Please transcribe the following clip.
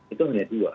itu hanya dua